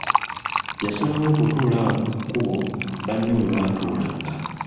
Yasalawo okutuula awo ku kkubo banne we baatuulanga.